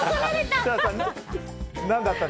設楽さん